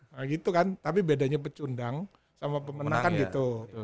nah gitu kan tapi bedanya pecundang sama pemenangkan gitu